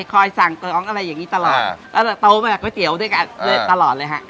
คอยสั่งประลองอะไรอย่างงี้ตลอด